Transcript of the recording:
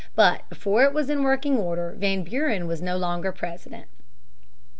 But before it was in working order, Van Buren was no longer President.